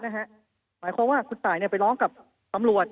หมายความว่าคุณตายไปร้องกับตำรวจ